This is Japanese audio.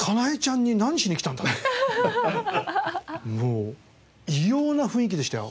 もう異様な雰囲気でしたよ